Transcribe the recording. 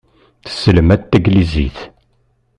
Tesselmad taglizit.